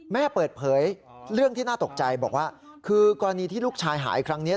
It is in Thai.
เปิดเผยเรื่องที่น่าตกใจบอกว่าคือกรณีที่ลูกชายหายครั้งนี้